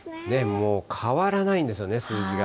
もう、変わらないんですよね、数字が。